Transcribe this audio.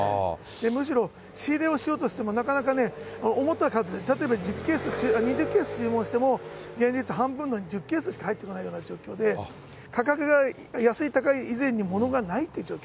むしろ仕入れをしようとしても、なかなかね、思った数、例えば、２０ケース注文しても、連日半分の１０ケースしか入ってこないような状況で、価格が安い、高い以前にものがないって状況。